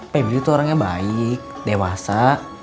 febri tuh orangnya baik dewasa